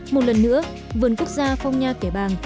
một lần nữa vườn quốc gia phong nha kẻ bàng